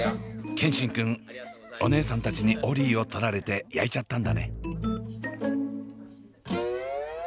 健新くんお姉さんたちにオリィを取られてやいちゃったんだね。